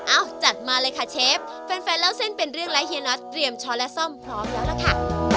จัดมาเลยค่ะเชฟแฟนเล่าเส้นเป็นเรื่องและเฮียน็อตเตรียมช้อนและซ่อมพร้อมแล้วล่ะค่ะ